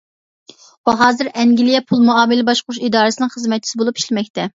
ئۇ ھازىر ئەنگلىيە پۇل مۇئامىلە باشقۇرۇش ئىدارىسىنىڭ خىزمەتچىسى بولۇپ ئىشلىمەكتە.